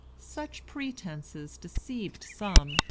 Such pretences deceived some.